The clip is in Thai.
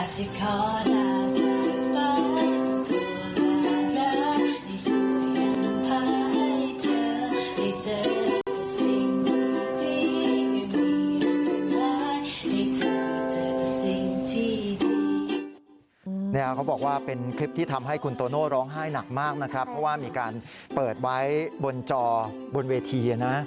เขาบอกว่าเป็นคลิปที่ทำให้คุณโตโน่ร้องไห้หนักมากนะครับเพราะว่ามีการเปิดไว้บนจอดบนเวทีนะ